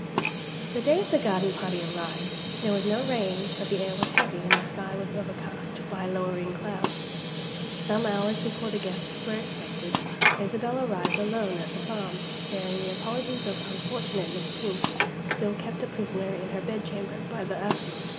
THE day of the garden party arrived. There was no rain; but the air was heavy, and the sky was overcast by lowering clouds. Some hours before the guests were expected, Isabel arrived alone at the farm, bearing the apologies of unfortunate Miss Pink, still kept a prisoner in her bed chamber by the asthma.